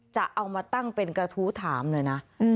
จะเอามาตั้งเป็นกระทู้ถามเลยนะ